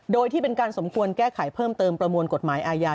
โดยที่เป็นการสมควรแก้ไขเพิ่มเติมประมวลกฎหมายอาญา